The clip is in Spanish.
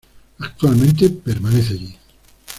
Actualmente, permanece allí.